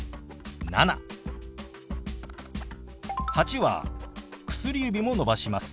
「８」は薬指も伸ばします。